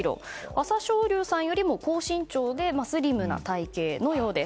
朝青龍さんよりも高身長でスリムな体形のようです。